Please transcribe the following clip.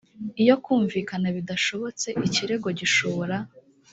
iyo kumvikana bidashobotse ikirego gishobora